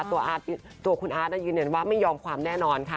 ตัวคุณอาร์ตยืนยันว่าไม่ยอมความแน่นอนค่ะ